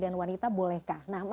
naftas di setan